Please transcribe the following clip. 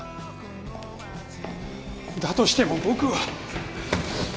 だとしても僕は！